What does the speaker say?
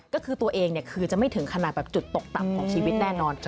ก็คือตัวเองคือจะไม่ถึงขนาดแบบจุดตกต่ำของชีวิตแน่นอน